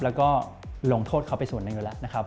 แล้วก็ลงโทษเขาไปส่วนหนึ่งด้วย